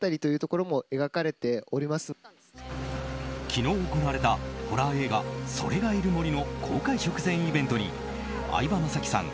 昨日行われたホラー映画「“それ”がいる森」の公開直前イベントに相葉雅紀さん